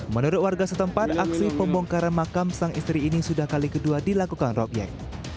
menurut warga setempat aksi pembongkaran makam sang istri ini sudah kali kedua dilakukan robyek